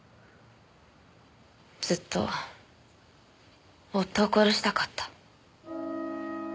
ずっと夫を殺したかった。